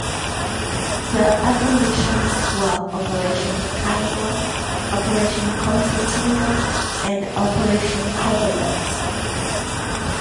The other missions were "Operation Condor", "Operation Concertina" and "Operation Coverlet".